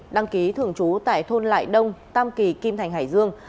đăng ký thường trú tại thôn lại đông tam kỳ kim thành hải dương